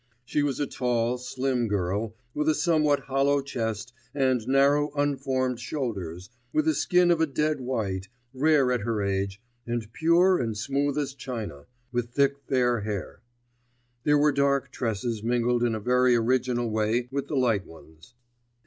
She was a tall, slim girl, with a somewhat hollow chest and narrow unformed shoulders, with a skin of a dead white, rare at her age, and pure and smooth as china, with thick fair hair; there were darker tresses mingled in a very original way with the light ones.